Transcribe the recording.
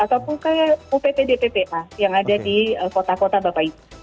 ataupun kayak uppdppa yang ada di kota kota bapak ibu